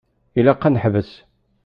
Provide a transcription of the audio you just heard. Ilaq ad neḥbes.